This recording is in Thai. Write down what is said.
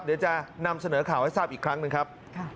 เดี๋ยวจะนำเสนอข่าวให้ทราบอีกครั้งหนึ่งครับ